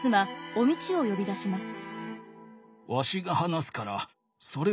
お路を呼び出します。